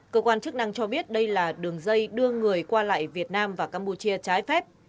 cơ quan chức năng cho biết đây là đường dây đưa người qua lại việt nam và campuchia trái phép